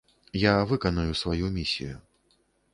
Я выканаю сваю місію.